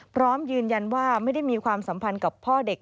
พร้อมยืนยันว่าไม่ได้มีความสัมพันธ์กับพ่อเด็ก